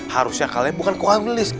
harusnya kalian bukan kok abis